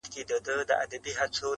• مست لکه رباب سمه، بنګ سمه، شراب سمه -